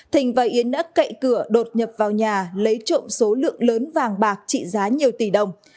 thình và yến đã cậy cửa đột nhập vào nhà lấy trộm số lượng lớn vàng bạc trị giá nhiều tỷ đồng